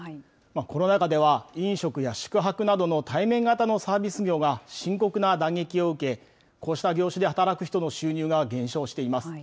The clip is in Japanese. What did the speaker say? コロナ禍では飲食や宿泊などの対面型のサービス業が深刻な打撃を受け、こうした業種で働く人の収入が減少しています。